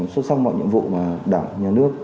xuất sắc mọi nhiệm vụ mà đảng nhà nước